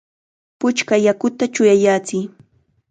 ¡Puchka yakuta chuyayachiy!